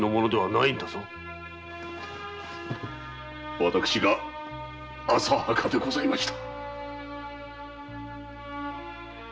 私が浅はかでございました！